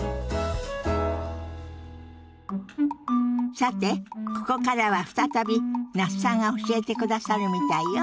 さてここからは再び那須さんが教えてくださるみたいよ。